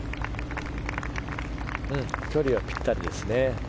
距離はぴったりですね。